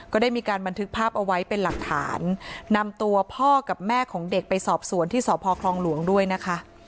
ก็ได้มีการบันทึกภาพเอาไว้เป็นหลักฐานนำตัวพ่อกับแม่ของเด็กไปสอบสวนที่สพคลองหลวงด้วยนะคะ